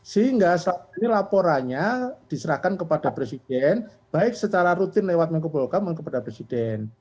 sehingga saat ini laporannya diserahkan kepada presiden baik secara rutin lewat menko polhukam kepada presiden